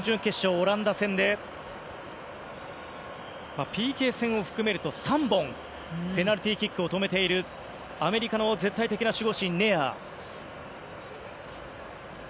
オランダ戦でＰＫ戦を含めると３本ペナルティーキックを止めているアメリカの絶対的な守護神ネアー。